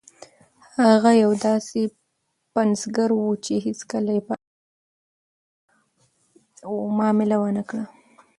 هغه یو داسې پنځګر و چې هیڅکله یې په ادبي اصولو معامله ونه کړه.